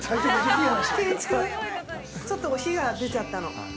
ちょっと火が出ちゃったの。